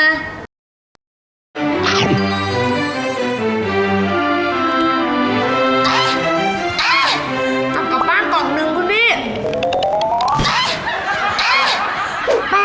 เอากลับบ้านกล่องนึงคุณพี่